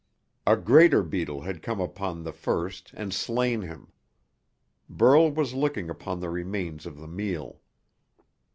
A greater beetle had come upon the first and slain him. Burl was looking upon the remains of the meal.